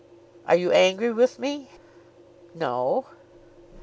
"Are you angry with me?" "No."